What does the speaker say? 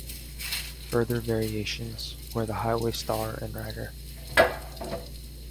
Further variations, where the Highway Star, and Rider.